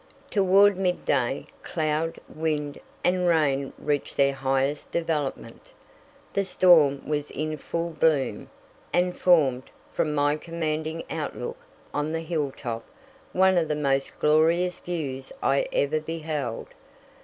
Toward midday, cloud, wind, and rain reached their highest development. The storm was in full bloom, and formed, from my commanding outlook on the hilltop, one of the most glorious views I ever beheld.